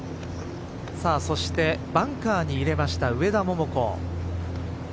そして、バンカーに入れました上田桃子。